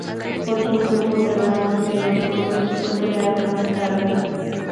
Otro grupo, los Hermanos de los Bosques, fue creado más tarde.